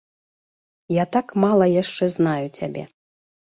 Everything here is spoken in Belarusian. Я так мала яшчэ знаю цябе.